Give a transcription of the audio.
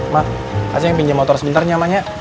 mak aceh yang pinjam motor sebentar nih amanya